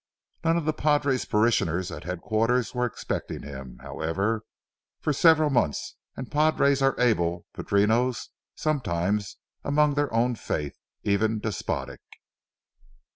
None of the padre's parishioners at headquarters were expecting him, however, for several months, and padres are able padrinos,—sometimes, among their own faith, even despotic.